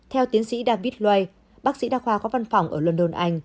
theo tiến sĩ david lloyd bác sĩ đa khoa có văn phòng ở london